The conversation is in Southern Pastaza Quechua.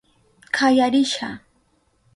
Kaya risha.